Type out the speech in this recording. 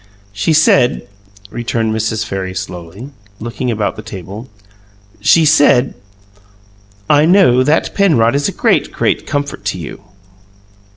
"She said," returned Mrs. Farry slowly, looking about the table, "she said, 'I know that Penrod is a great, great comfort to you!'"